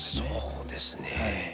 そうですね。